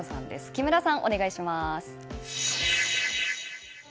木村さん、お願いします！